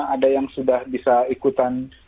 ada yang sudah bisa ikutan